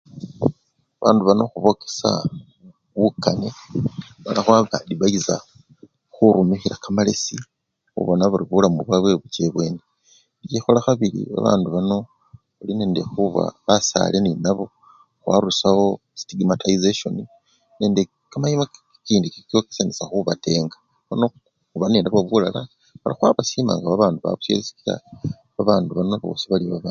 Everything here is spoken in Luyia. Babandu bano khubokesya bukane mala khwaba-adifayisa khurumikhila kamalesi khubona bari bulamu bwabwa bucha ebweni, ate sisikhola khabili babandu bano khuli nende khuba basale nenabo khwarusyawo sitigimatayisesyoni nende kimima kikindi kikyokesyanisya khubatenga nono khuba nenabo bulala mala khwabasima nga babandu babusyele sikila babandu bano bosi bali babandu.